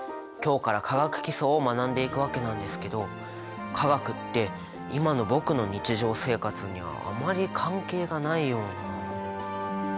今日から化学基礎を学んでいくわけなんですけど化学って今の僕の日常生活にはあまり関係がないような。